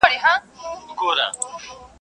خدای درکړی لوړ قامت او تنه پلنه.